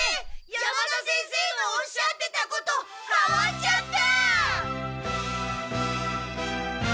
山田先生のおっしゃってたことかわっちゃった！